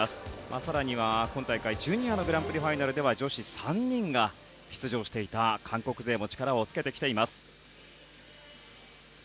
更には今大会、ジュニアのグランプリファイナルでは女子３人が出場していた韓国勢も力をつけてきています。